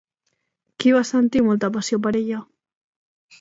Qui va sentir molta passió per ella?